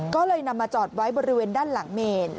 ก็เลยนำมาจอดไว้บริเวณด้านหลังเมน